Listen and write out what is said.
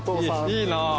いいな。